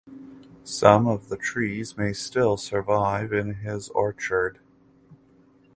Some of the trees may still survive in his orchard.